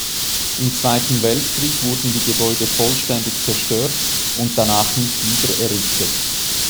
Im Zweiten Weltkrieg wurden die Gebäude vollständig zerstört und danach nicht wieder errichtet.